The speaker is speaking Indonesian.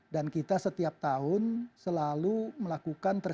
dan kita setiap tahun selalu melakukan informasi